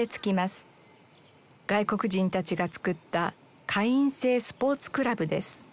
外国人たちが作った会員制スポーツクラブです。